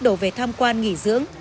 đổ về tham quan nghỉ dưỡng